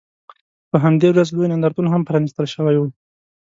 په همدې ورځ لوی نندارتون هم پرانیستل شوی و.